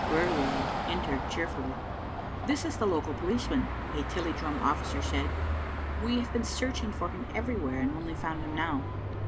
Wearyworld entered cheerfully. "This is the local policeman," a Tilliedrum officer said; "we have been searching for him everywhere, and only found him now."